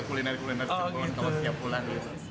kuliner kuliner kampung setiap bulan